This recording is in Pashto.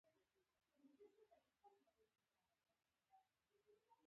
د صابون ښویوالی د القلي سریښناکوالی حس کوي.